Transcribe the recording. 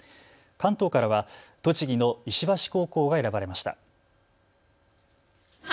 関東からは栃木の石橋高校が選ばれました。